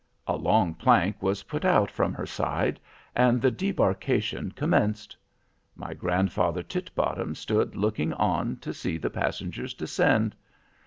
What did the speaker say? A long plank was put out from her side, and the debarkation commenced. My grandfather Titbottom stood looking on to see the passengers descend.